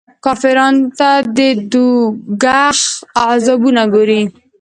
کافرانو ته د دوږخ عذابونه ګوري.